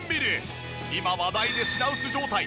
今話題で品薄状態